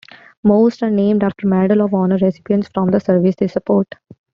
Most are named after Medal of Honor recipients from the service they support.